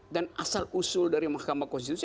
dan asal usul dari mahkamah konstitusi